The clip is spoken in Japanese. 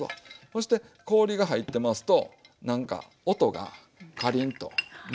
そして氷が入ってますとなんか音がカリンと鳴るでしょ。